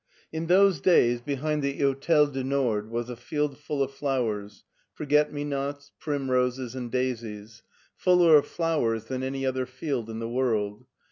In those days, behind the Hotel du Nord was a field full of flowers : forget me nots, primroses, and daisies; fuller of flowers than any other field in the world.